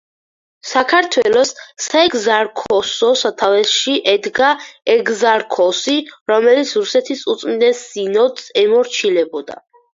საქართველოს საეგზარქოსოს სათავეში ედგა ეგზარქოსი, რომელიც რუსეთის უწმინდეს სინოდს ემორჩილებოდა.